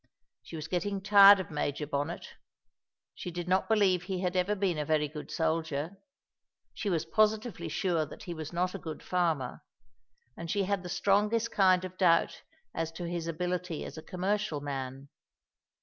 She was getting tired of Major Bonnet. She did not believe he had ever been a very good soldier; she was positively sure that he was not a good farmer; and she had the strongest kind of doubt as to his ability as a commercial man.